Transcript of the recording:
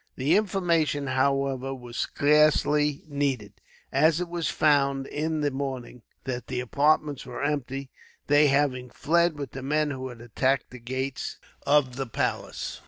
The information, however, was scarcely needed; as it was found, in the morning, that their apartments were empty; they having fled with the men who had attacked the gates of the palace.